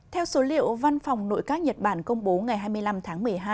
theo số liệu văn phòng nội các nhật bản công bố ngày hai mươi năm tháng một mươi hai